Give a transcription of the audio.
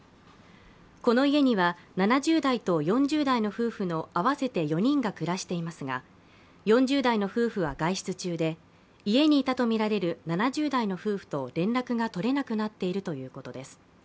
この家には７０代と４０代の夫婦の合わせて４人が暮らしていますが４０代の夫婦は外出中で家にいたとみられる７０代の夫婦と連絡が取れなくなっているということです。